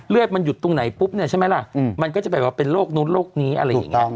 เลือดมันหยุดตรงไหนปุ๊บเนี่ยใช่ไหมล่ะมันก็จะแบบว่าเป็นโรคนู้นโรคนี้อะไรอย่างนี้